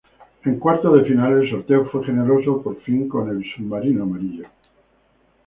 En cuartos de final, el sorteo fue generoso por fin con el Submarino Amarillo.